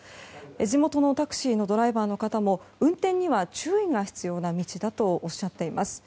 地元のタクシーのドライバーの方も運転には注意が必要な道だとおっしゃっています。